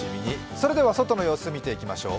それでは外の様子を見ていきましょう。